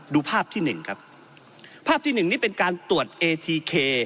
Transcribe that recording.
ดูภาพที่หนึ่งครับภาพที่หนึ่งนี่เป็นการตรวจเอทีเค